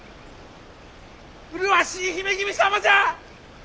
麗しい姫君様じゃ！